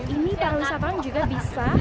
ini para wisatawan juga bisa